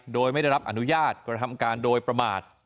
โดยไม่ได้รับอนุญาตกระทำการโดยประมาท